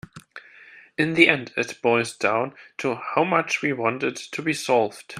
In the end it boils down to how much we want it to be solved.